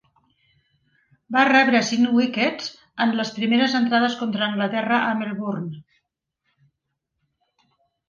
Va rebre cinc wickets en les primeres entrades contra Anglaterra a Melbourne.